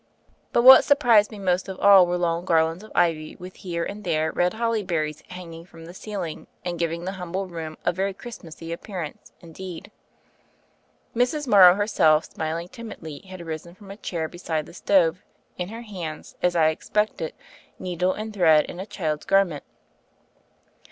But what surprised niw most of all were long garlands of ivy with here and there red holly berries hanging from the ceiling and giving the humble room a very Christmassy appearance, indeed. Mrs. Morrow herseir, smiling timidly, had arisen from a chair beside the stove, in her hands, as I expected, needle and thread and a child's garment.